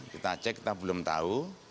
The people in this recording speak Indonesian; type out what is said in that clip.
kita cek kita belum tahu